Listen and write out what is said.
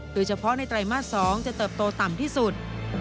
โดยเฉพาะในไตรมาส๒จะเติบโตต่ำที่สุด